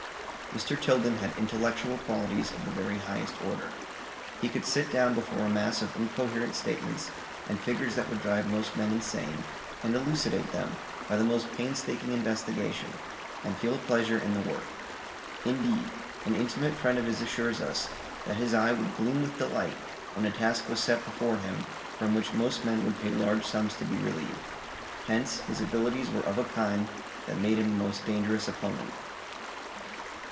Mr. Tilden had intellectual qualities of the very highest order. He could sit down before a mass of incoherent statements, and figures that would drive most men insane, and elucidate them by the most painstaking investigation, and feel a pleasure in the work. Indeed, an intimate friend of his assures us that his eye would gleam with delight when a task was set before him from which most men would pay large sums to be relieved: Hence, his abilities were of a kind that made him a most dangerous opponent.